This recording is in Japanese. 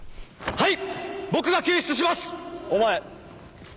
はい。